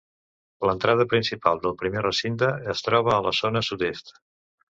L'entrada principal del primer recinte es troba a la zona sud-est.